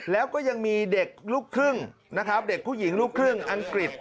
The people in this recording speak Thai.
แล้วก็ยังมีเด็กลูกครึ่งนะครับเด็กผู้หญิงลูกครึ่งอังกฤษ